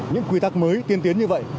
những quy tắc mới tiến tiến như vậy